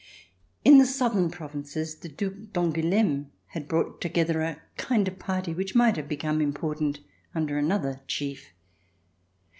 In the southern provinces, the Uuc d'Angoulcme had brought together a kind of party which might have become important under another chief.